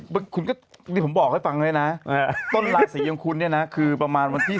ผมได้บอกให้ฟังเลยนะต้นหละสียังคุณคือประมาณวันที่